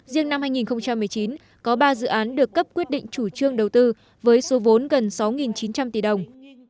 riêng năm hai nghìn một mươi chín có ba dự án được cấp quyết định chủ trương đầu tư với số vốn gần sáu chín trăm linh tỷ đồng